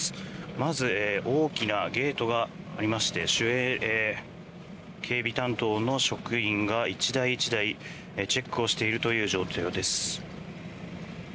まず大きなゲートがありまして守衛、警備担当の職員が１台１台チェックをしているという状況です。